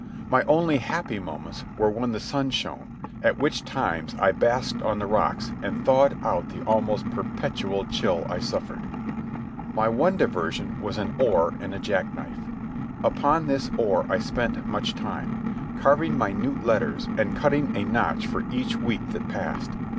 My only happy moments were when the sun shone, at which times I basked on the rocks and thawed out the almost perpetual chill I suffered. My one diversion was an oar and a jackknife. Upon this oar I spent much time, carving minute letters and cutting a notch for each week that passed.